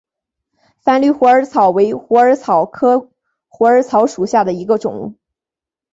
繁缕虎耳草为虎耳草科虎耳草属下的一个种。